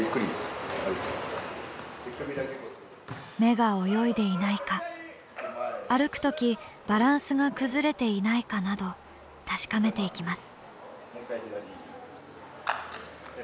目が泳いでいないか歩く時バランスが崩れていないかなど確かめていきます。